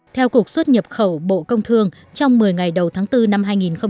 theo cục xuất nhập khẩu bộ công thương trong một mươi ngày đầu tháng bốn năm hai nghìn hai mươi